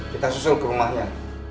kita susul ke rumahnya